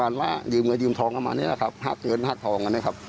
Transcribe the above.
เขาบอกไหมว่ายอดยืมไปเท่าไรครับไม่ได้บอกครับ